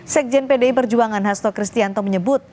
sekjen pdi perjuangan hasto kristianto menyebut